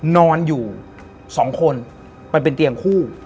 นอนอยู่๒คนมันเป็นเตียงคู่